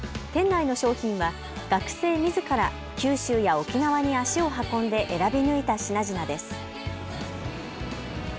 店内の商品は学生みずから九州や沖縄に足を運んで選び抜いた品々です。